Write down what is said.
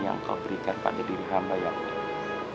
yang kau berikan pada diri hamba ya allah